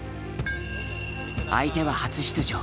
相手は初出場